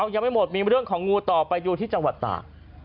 ยังไม่หมดมีเรื่องของงูต่อไปดูที่จังหวัดตาก